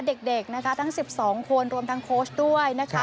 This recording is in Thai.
เด็กนะคะทั้ง๑๒คนรวมทั้งโค้ชด้วยนะคะ